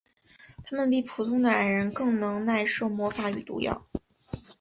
他们比普通的矮人更能耐受魔法与毒药。